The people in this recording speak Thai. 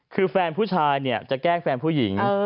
คือแฟนผู้ชายเนี่ยจะแกล้งแฟนผู้หญิง